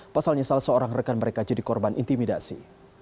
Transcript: pasalnya salah seorang rekan mereka jadi korban intimidasi